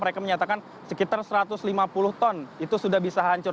mereka menyatakan sekitar satu ratus lima puluh ton itu sudah bisa hancur